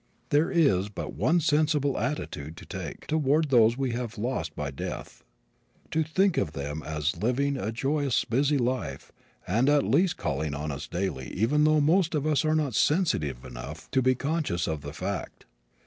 There is but one sensible attitude to take toward those we have lost by death to think of them as living a joyous, busy life and at least calling on us daily even though most of us are not sensitive enough to be conscious of the fact.